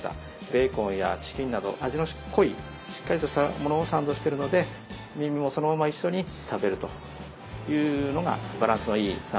ベーコンやチキンなど味の濃いしっかりとしたものをサンドしてるのでみみもそのまま一緒に食べるというのがバランスのいいサンドイッチになります。